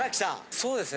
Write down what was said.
そうですね